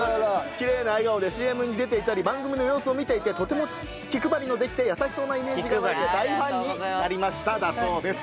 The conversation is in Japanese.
きれいな笑顔でＣＭに出ていたり番組の様子を見ていてとても気配りのできて優しそうなイメージが湧いて大ファンになりましただそうです。